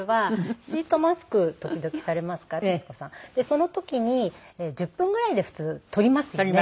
その時に１０分ぐらいで普通取りますよね。